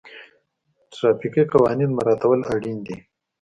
ټرافیکي قوانین مراعتول اړین دي.